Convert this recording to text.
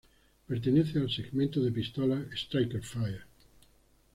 Pertenece al segmento de pistolas “striker fired“.